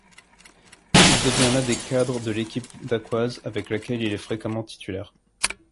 Il devient l'un des cadres de l'équipe dacquoise avec laquelle il est fréquemment titulaire.